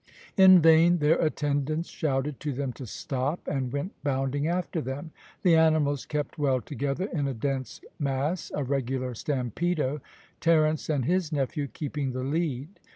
In vain their attendants shouted to them to stop, and went bounding after them. The animals kept well together in a dense mass a regular stampedo Terence and his nephew keeping the lead.